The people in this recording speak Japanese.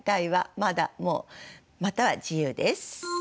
または自由です。